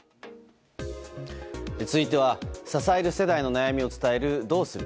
続いては、支える世代の悩みを伝えるドウスル？